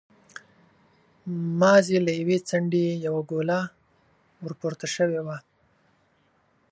مازې له يوې څنډې يې يوه ګوله ور پورته شوې وه.